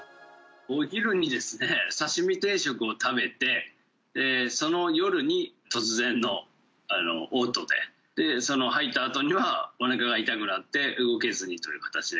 お昼にですね、刺身定食を食べて、その夜に突然のおう吐で、その吐いたあとには、おなかが痛くなって動けずにという形で。